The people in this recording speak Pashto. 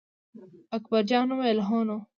اکبر جان وویل: هو نو.